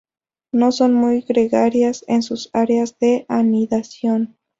No son muy gregarias en sus áreas de anidación.